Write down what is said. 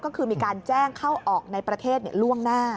ก็คือมีการแจ้งเข้าออกในประเทศล่วงหน้า